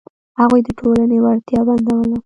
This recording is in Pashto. هغوی د ټولنې وړتیا بندوله.